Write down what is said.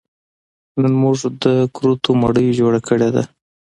نن موږ د کورتو مړۍ جوړه کړې ده